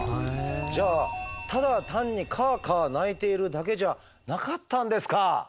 じゃあただ単にカァカァ鳴いているだけじゃなかったんですカァ！